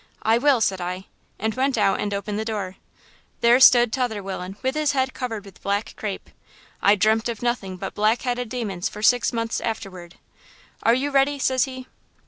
"'I will,' said I, and went out and opened the door. There stood t'other willain with his head covered with black crape. I dreamt of nothing but black headed demons for six months afterward. "'Are you ready?' says he.